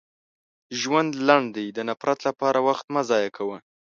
• ژوند لنډ دی، د نفرت لپاره وخت مه ضایع کوه.